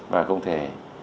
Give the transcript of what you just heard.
và không thể